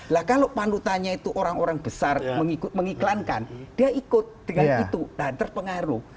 lah kalau panutannya itu orang orang besar mengiklankan dia ikut dengan itu nah terpengaruh